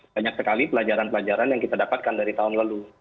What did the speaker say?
banyak sekali pelajaran pelajaran yang kita dapatkan dari tahun lalu